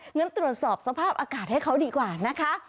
งั้นตรวจสอบสภาพอากาศให้เขาดีกว่านะคะ